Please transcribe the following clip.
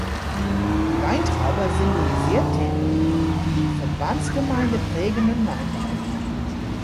Die Weintraube symbolisiert den die Verbandsgemeinde prägenden Weinbau.